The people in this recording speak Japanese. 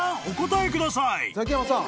お答えください］